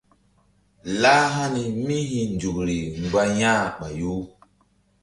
Lah hani míhi̧nzukri mgba yah ɓayu.